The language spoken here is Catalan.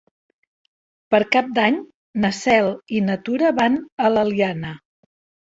Per Cap d'Any na Cel i na Tura van a l'Eliana.